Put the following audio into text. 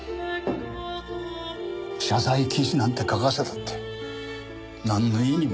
謝罪記事なんて書かせたって何の意味もない。